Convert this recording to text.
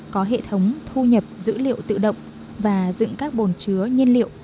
có hệ thống thu nhập dữ liệu tự động và dựng các bồn chứa nhiên liệu